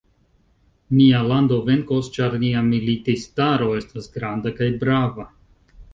Nia lando venkos, ĉar nia militistaro estas granda kaj brava.